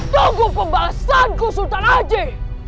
tunggu pembahasanku sultan haji